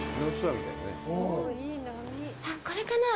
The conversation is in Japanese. あっ、これかな？